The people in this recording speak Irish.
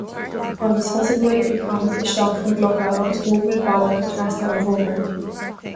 Agus thosaigh muid ag caitheamh isteach na gclocha agus thóg muid balla trasna an bhóthair.